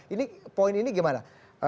ini poin ini bagaimana